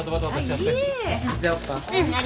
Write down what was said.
はい。